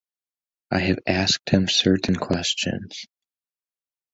I have asked him certain questions.